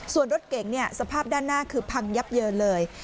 ส่วนรถเก่งสภาพด้านหน้าคือพังยับเยินเลย